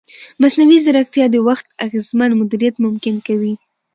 مصنوعي ځیرکتیا د وخت اغېزمن مدیریت ممکن کوي.